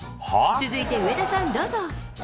続いて、上田さんどうぞ！